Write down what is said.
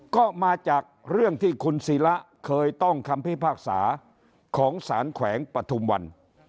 ก็มาจากเรื่องที่คุณศิระเคยต้องคำพิพากษาของสารแขวงปฐุมวัน